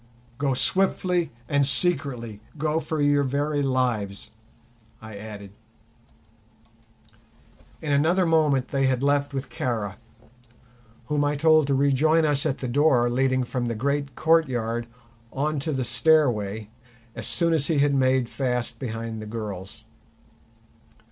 "Go swiftly and secretly; go for your very lives," I added. In another moment they had left with Kara, whom I told to rejoin us at the door leading from the great courtyard on to the stairway as soon as he had made fast behind the girls.